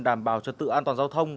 đảm bảo trật tự an toàn giao thông